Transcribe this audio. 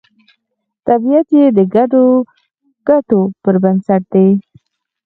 طبیعت یې د ګډو ګټو پر بنسټ دی